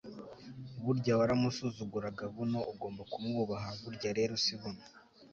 burya waramusuzuguraga, buno ugomba kumwubaha, burya rero si buno